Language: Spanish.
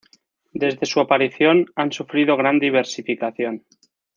Desde su aparición, han sufrido gran diversificación.